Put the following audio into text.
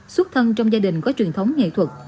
xuất thân trong gia đình có truyền thống nghệ thuật